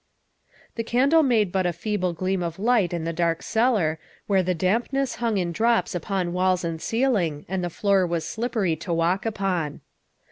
The candle made but a feeble gleam of light in the dark cellar, where the dampness hung in drops upon walls and ceiling and the floor was slippery to walk upon.